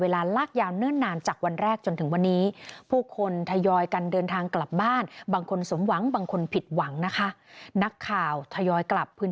แล้วยิ่งน้อยคนก็กลัวว่าจะทิ้งกัน